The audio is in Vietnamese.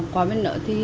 có mấy nợ thì